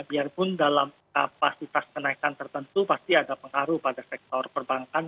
biarpun dalam kapasitas kenaikan tertentu pasti ada pengaruh pada sektor perbankan